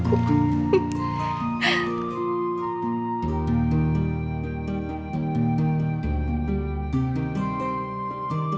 aku juga mau nangis